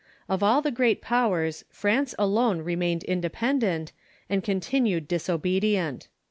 Of all the great powers France alone remained independent, and continued dis obedient.